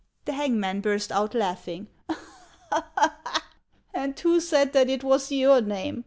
The hangman burst out laughing. " And who said that it was your name